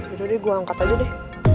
yaudah deh gue angkat aja deh